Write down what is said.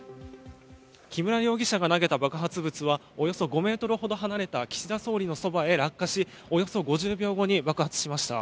木村容疑者が投げた爆発物はおよそ５ｍほど離れた岸田総理のそばに落下し、およそ５０秒後に爆発しました。